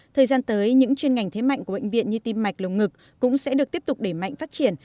thời gian tới những chuyên ngành thế mạnh của bệnh viện như tim mạch lồng ngực cũng sẽ được tiếp tục để mạnh phát triển